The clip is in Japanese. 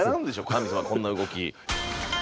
神様こんな動き。